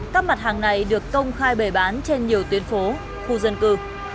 các mặt hàng này được công khai bề bán trên nhiều tuyến phố khu dân cư